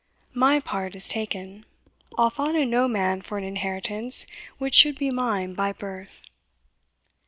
My part is taken I'll fawn on no man for an inheritance which should be mine by birth."